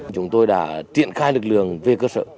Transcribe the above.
chúng tôi đã triển khai lực lượng về cơ sở